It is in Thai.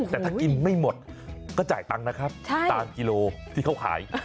แต่ถ้ากินไม่หมดก็จ่ายตังค์นะครับตามกิโลที่เขาขาย